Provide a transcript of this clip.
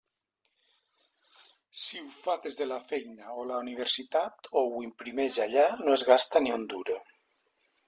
Si ho fa des de la feina o la universitat o ho imprimeix allà, no es gasta ni un duro.